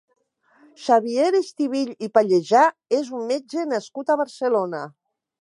Xavier Estivill i Pallejà és un metge nascut a Barcelona.